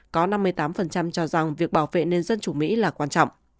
có năm mươi tám cho rằng việc bảo vệ nền dân chủ mỹ là quan trọng